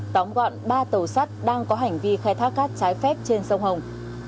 tóm gọn ba tàu sắt đang có hành vi khai thác cát trái phép trên sông hồng